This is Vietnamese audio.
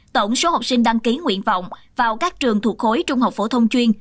tổng số học sinh đăng ký nguyện vọng vào các trường thuộc khối trung học phổ thông chuyên